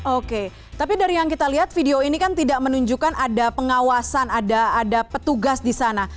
oke tapi dari yang kita lihat video ini kan tidak menunjukkan ada pengawasan ada petugas di sana